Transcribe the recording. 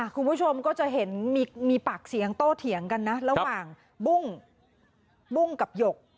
คุณผู้ชมก็จะเห็นมีปากเสียงโตเถียงกันนะระหว่างบุ้งบุ้งกับหยก